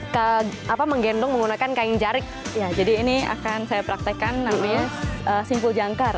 ke apa menggendong menggunakan kain jarik ya jadi ini akan saya praktekkan namanya simpul jangkar